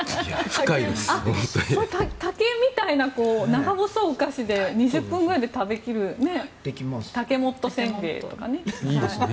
竹みたいな長細いお菓子で２０分くらいで食べきるたけもっと煎餅とかね。